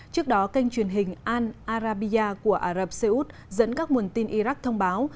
trước đó kênh truyền hình al arabiya của ả rập xê út dẫn các nguồn tin iraq thông báo